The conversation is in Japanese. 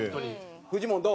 フジモンどう？